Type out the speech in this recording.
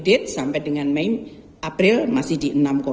secara year to date sampai dengan april masih di enam tujuh puluh empat